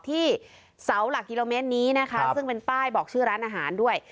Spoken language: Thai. ที่เสาหลักกิโลเมตรนี้นะคะซึ่งเป็นป้ายบอกชื่อร้านอาหารด้วย